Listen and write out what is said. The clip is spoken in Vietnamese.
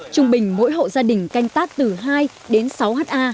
trung bình mỗi hộ gia đình canh tác từ hai đến sáu ha